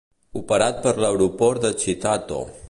Operat per l'aeroport de Chitato.